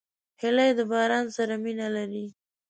هیلۍ د باران سره مینه لري